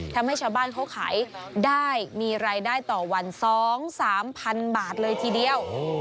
ทำให้ชาวบ้านเขาขายได้มีรายได้ต่อวัน๒๓๐๐๐บาทเลยทีเดียว